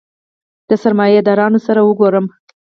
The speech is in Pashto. د سرمایه دارانو سره وګورم.